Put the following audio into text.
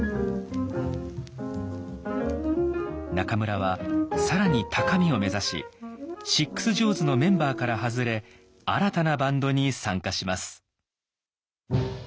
中村は更に高みを目指しシックス・ジョーズのメンバーから外れ新たなバンドに参加します。